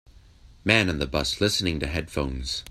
Man on the bus listening to headphones.